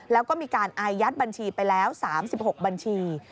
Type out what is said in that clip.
แล้วก็มีการอายัดบัญชีไปแล้ว๓๖บัญชี